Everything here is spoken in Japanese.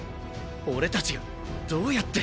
俺たちがどうやって。